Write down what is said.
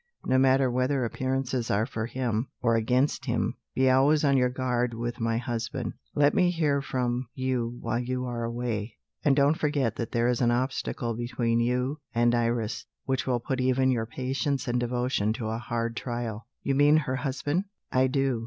No matter whether appearances are for him, or against him, be always on your guard with my husband. Let me hear from you while you are away; and don't forget that there is an obstacle between you and Iris, which will put even your patience and devotion to a hard trial." "You mean her husband?" "I do."